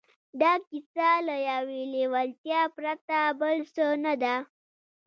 دا کیسه له یوې لېوالتیا پرته بل څه نه ده